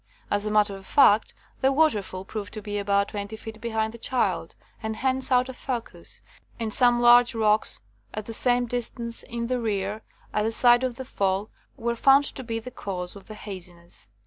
As a matter of fact, the waterfall proved to be about twenty feet behind the child, and hence out of focus, and some large rocks at the same distance in the rear, at the side of the fall, were found to be the cause of the haziness.